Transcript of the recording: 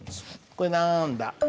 これなんだ？